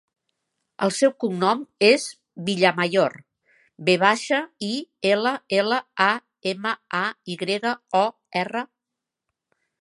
El seu cognom és Villamayor: ve baixa, i, ela, ela, a, ema, a, i grega, o, erra.